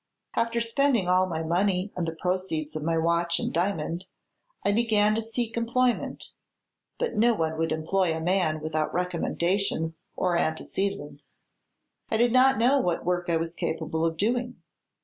"After spending all my money and the proceeds of my watch and diamond, I began to seek employment; but no one would employ a man without recommendations or antecedents. I did not know what work I was capable of doing.